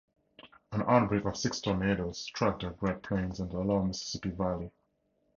An outbreak of six tornadoes struck the Great Plains and the Lower Mississippi Valley.